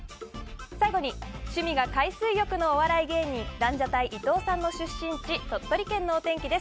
最後に趣味が海水浴のお笑い芸人ランジャタイ伊藤さんの出身地鳥取県のお天気です。